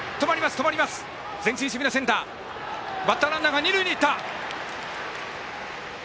バッターランナーが二塁に行った。